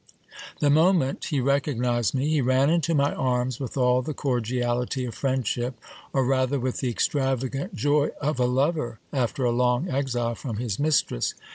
The moment he recognized me, he ran into my arms with all the cordiality of friendship, or rather with the ex travagant joy of a lover after a long exile from his mistress.